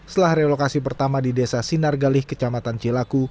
setelah relokasi pertama di desa sinargali kecamatan cilaku